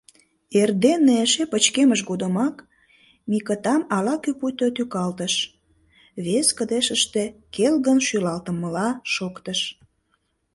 Эрдене, эше пычкемыш годымак, Микытам ала-кӧ пуйто тӱкалтыш: вес кыдежыште келгын шӱлалтымыла шоктыш.